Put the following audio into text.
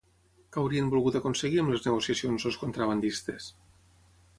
Què haurien volgut aconseguir amb les negociacions, els contrabandistes?